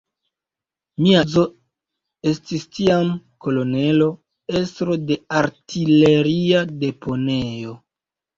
Mia edzo tiam estis kolonelo, estro de artileria deponejo.